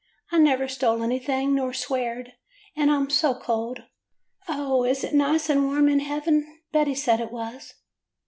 'I never stole anything, nor sweared, and I *m so cold. O, is it nice and warm in heaven? Betty said it was.